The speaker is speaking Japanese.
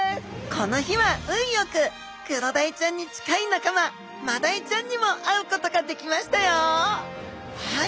この日は運よくクロダイちゃんに近い仲間マダイちゃんにも会うことができましたよはい。